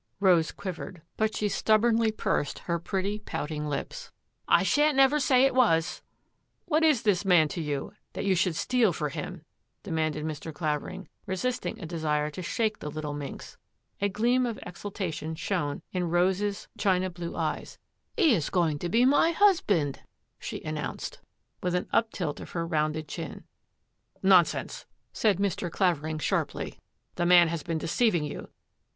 Rose quivered, but she stubbornly pursed her pretty, pouting lips. " I shan't never say it was !"" What is this man to you that you should steal for him? " demanded Mr. Clavering, resisting a desire to shake the little minx. A gleam of exultation shone in Rose's china blue THE MISSING LADY'S MAID 219 eyes. " He is going to be my husband !" she an nounced, with an uptilt of her rounded chin. " Nonsense," said Mr. Clavering sharply. " The man has been deceiving you.''